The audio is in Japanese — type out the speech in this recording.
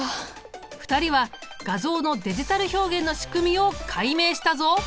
２人は画像のデジタル表現の仕組みを解明したぞ。